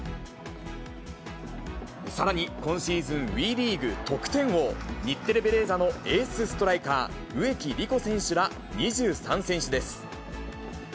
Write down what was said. さらに今シーズンＷＥリーグ得点王、日テレベレーザのエースストライカー、植木理子選手ら２３選手です。